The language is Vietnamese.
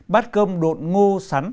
bát cơm đột ngô sắn